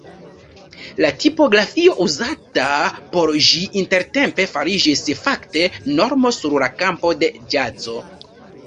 La tipografio uzata por ĝi intertempe fariĝis fakte normo sur la kampo de ĵazo.